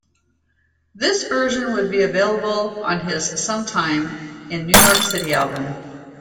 This version would be available on his "Some Time in New York City" album.